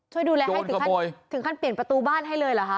ช่วยดูแลให้ถึงขั้นเปลี่ยนประตูบ้านให้เลยเหรอคะ